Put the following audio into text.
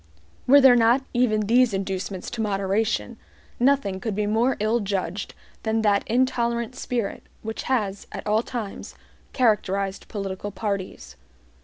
Were there not even these inducements to moderation, nothing could be more ill judged than that intolerant spirit which has, at all times, characterized political parties.